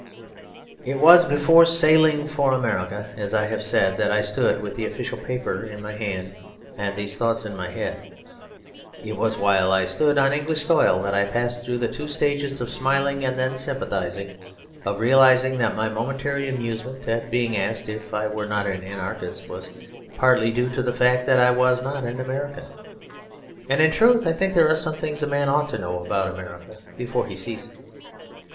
It was before sailing for America, as I have said, that I stood with the official paper in my hand and these thoughts in my head. It was while I stood on English soil that I passed through the two stages of smiling and then sympathising; of realising that my momentary amusement, at being asked if I were not an Anarchist, was partly due to the fact that I was not an American. And in truth I think there are some things a man ought to know about America before he sees it.